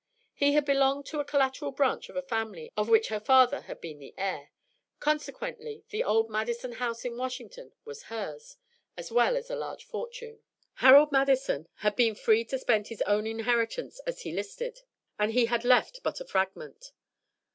He had belonged to a collateral branch of a family of which her father had been the heir; consequently the old Madison house in Washington was hers, as well as a large fortune. Harold Madison had been free to spend his own inheritance as he listed, and he had left but a fragment.